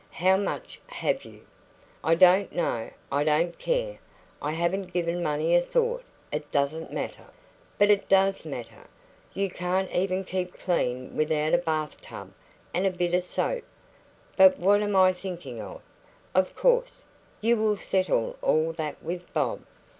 How much have you?" "I don't know. I don't care. I haven't given money a thought. It doesn't matter." "But it does matter. You can't even keep clean without a bathtub and a bit of soap. But what am I thinking of? of course, you will settle all that with Bob."